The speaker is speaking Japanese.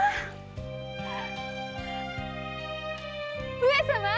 上様！